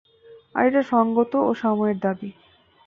আর এটা সংগত ও সময়ের দাবি।